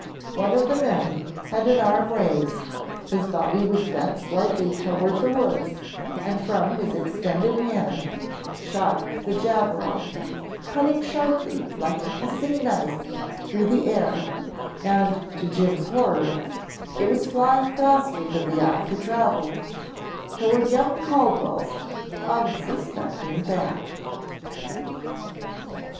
One of the men had an arm raised, his body was bent slightly toward the woods, and from his extended hand shot the javeral, cutting sharply like a hissing knife through the air, and to Jim's horror, it was flying faster than the eye could travel, toward young Caldwell's unsuspecting back.